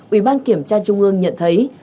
ủy ban kiểm tra trung ương nhận thấy